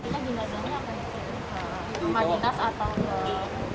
bapak ini akan dihidupkan